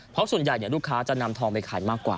เพราะส่วนใหญ่ลูกค้าจะนำทองไปขายมากกว่า